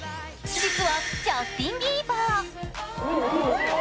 実はジャスティン・ビーバー。